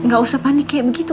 gak usah panik kayak begitu